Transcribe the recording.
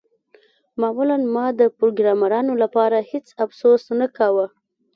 معمولاً هغه د پروګرامرانو لپاره هیڅ افسوس نه کاوه